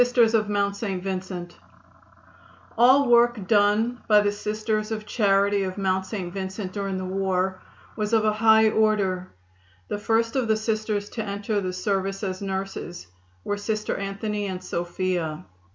Labors in Kentucky. The work done by the Sisters of Charity of Mount St. Vincent during the war was of a high order. The first of the Sisters to enter the service as nurses were Sisters Anthony and Sophia.